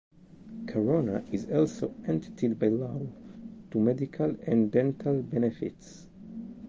Carona is also entitled, by law, to medical and dental benefits.